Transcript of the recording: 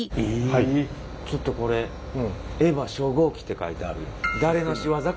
ちょっとこれ「ＥＶＡ初号機」って書いてある。